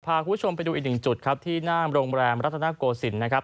พาคุณผู้ชมไปดูอีกหนึ่งจุดครับที่หน้าโรงแรมรัฐนาโกศิลป์นะครับ